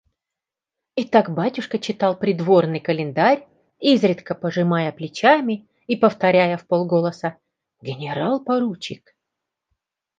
Итак, батюшка читал Придворный календарь, изредка пожимая плечами и повторяя вполголоса: «Генерал-поручик!..